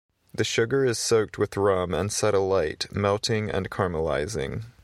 The sugar is soaked with rum and set alight, melting and caramelizing.